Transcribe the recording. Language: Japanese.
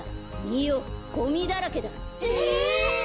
みよゴミだらけだ。ええ！？